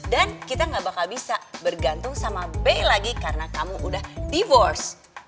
dan kita gak bakal bisa bergantung sama bey lagi karena kamu udah bercerai